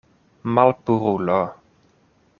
Malpurulo.